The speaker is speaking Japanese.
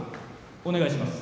お願いします